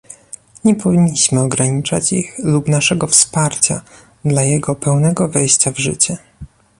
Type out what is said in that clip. nie powinniśmy ograniczać ich lub naszego poparcia dla jego pełnego wejścia w życie